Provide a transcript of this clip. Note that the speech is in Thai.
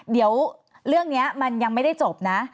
เดี๋ยวเรื่องนี้มันยังไม่ได้จบนะ